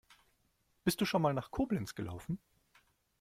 Bist du schon mal nach Koblenz gelaufen?